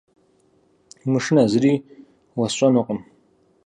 Умышынэ, зыри уэсщӏэнукъым.